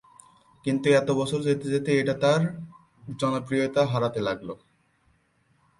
কিন্তু বছর যেতে যেতে এটা তার জনপ্রিয়তা হারাতে লাগলো।